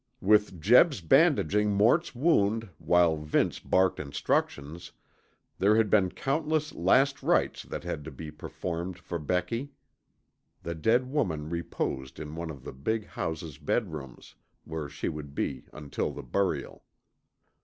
With Jeb bandaging Mort's wound while Vince barked instructions, there had been countless last rites that had to be performed for Becky. The dead woman reposed in one of the big house's bedrooms, where she would be until the burial.